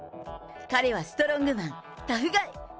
彼はストロングマン、タフガイ。